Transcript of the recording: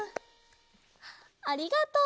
ありがとう。